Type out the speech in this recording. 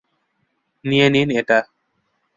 নিয়ে নিন এটা।